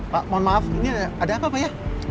pak mohon maaf ini ada apa pak ya